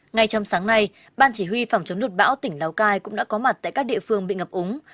ngay trong sáng nay ban chỉ huy phòng chống lụt bão tỉnh lào cai cũng đã có mặt tại các địa phương bị ngập úng